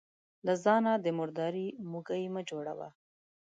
له ځانه د مرداري موږى مه جوړوه.